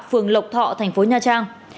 phường lộc thọ thành phố nha trang